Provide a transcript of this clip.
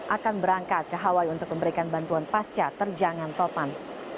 akan berangkat ke hawaii untuk memberikan bantuan pasca terjangan topan